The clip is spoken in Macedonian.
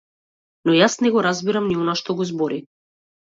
Но јас не го разбирам ни она што го збори!